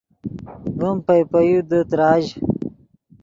ڤیم پئے پے یو دے تراژ